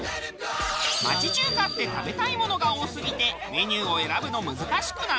町中華って食べたいものが多すぎてメニューを選ぶの難しくない？